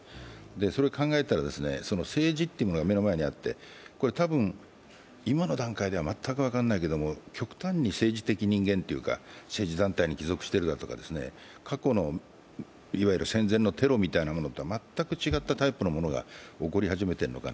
それを考えたら、政治というものが目の前にあってたぶん、今の段階では全く分からないけど極端に政治的人間というか政治団体に帰属しているとか過去の戦前のテロとは全く違ったタイプが起こり始めてきていると。